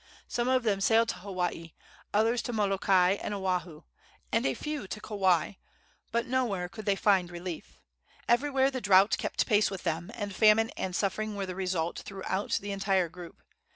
Some of them sailed to Hawaii, others to Molokai and Oahu, and a few to Kauai; but nowhere could they find relief. Everywhere the drought kept pace with them, and famine and suffering were the result throughout the entire group.